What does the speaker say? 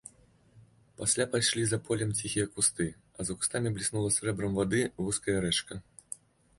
Пасля пайшлі за полем ціхія кусты, а за кустамі бліснула срэбрам вады вузкая рэчка.